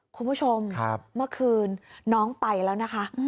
คุณผู้ชมเมื่อคืนน้องไปแล้วนะคะ